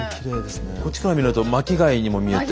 こっちから見ると巻き貝にも見えて。